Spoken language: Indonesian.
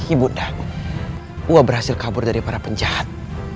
ibu nda gua berhasil kabur dari para penjahat